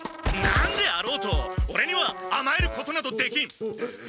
何であろうとオレにはあまえることなどできん！